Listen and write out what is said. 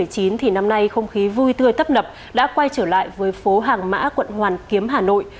thì năm nay không khí vui tươi tấp nập đã quay trở lại với phố hàng mã quận hoàn kiếm hà nội